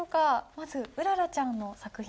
まずうららちゃんの作品から。